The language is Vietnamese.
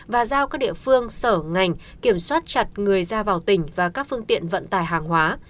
và giao các địa phương sở ngành kiểm soát chặt người ra vào tỉnh và các phương tiện vận tải hàng hóa